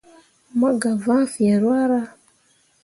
Mo gah vãã fǝ̃ǝ̃ ruahra.